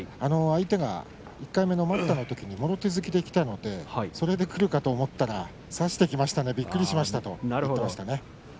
相手が１回目の待ったのときにもろ手突きできたのでそれでくるかと思ったら差してきましたねびっくりしましたと言っていました。